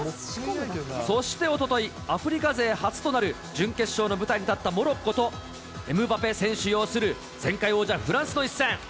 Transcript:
そしておととい、アフリカ勢初となる準決勝の舞台に立ったモロッコと、エムバペ選手擁する前回王者、フランスの一戦。